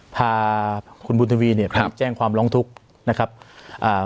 พาคุณบุญทวีเนี่ยไปแจ้งความร้องทุกข์นะครับอ่า